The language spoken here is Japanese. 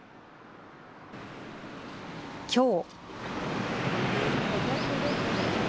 きょう。